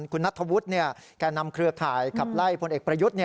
คุณนัทธวุฒิแก่นำเครือข่ายขับไล่พลเอกประยุทธ์